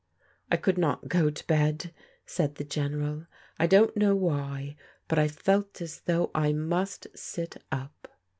" I could not go to bed," said the General. " I don't know why, but I felt as thou|^ I must sit up."